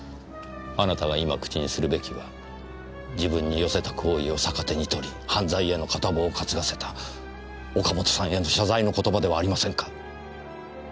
あなたが今口にするべきは自分に寄せた好意を逆手に取り犯罪への片棒を担がせた岡本さんへの謝罪の言葉ではありませんか？